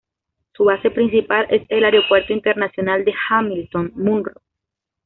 Su base principal es el Aeropuerto Internacional de Hamilton-Munro.